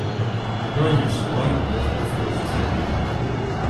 Noņem somu un uzliec to uz ceļa.